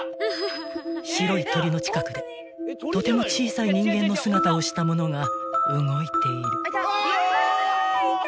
［白い鳥の近くでとても小さい人間の姿をしたものが動いている］